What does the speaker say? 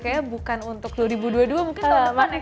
kayaknya bukan untuk dua ribu dua puluh dua mungkin tahun depan nih